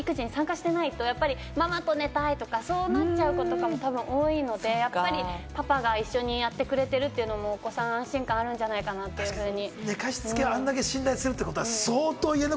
やっぱりお父さんがいつも家事とか育児とかに参加してないと、ママと寝たい！とか、そうなっちゃう子とかも多いので、やっぱりパパが一緒にやってくれてるというのも、お子さん、安心感あるんじゃないかなというふうに。